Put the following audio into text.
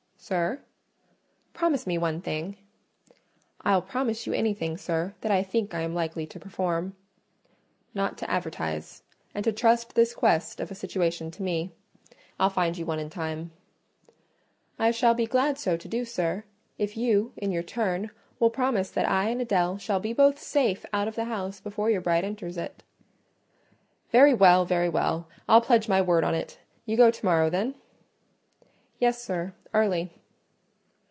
"Sir?" "Promise me one thing." "I'll promise you anything, sir, that I think I am likely to perform." "Not to advertise: and to trust this quest of a situation to me. I'll find you one in time." "I shall be glad so to do, sir, if you, in your turn, will promise that I and Adèle shall be both safe out of the house before your bride enters it." "Very well! very well! I'll pledge my word on it. You go to morrow, then?" "Yes, sir; early."